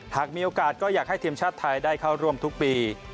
หากมีโอกาสก็อยากให้ทีมชาติไทยได้เข้าร่วมทุกปี